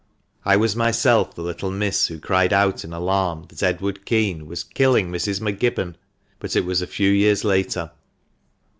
I was myself the little miss who cried out in alarm that Edmund Kean was >; killing Mrs. McGibbon," but it was a few years later.